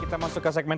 kita masuk ke segmen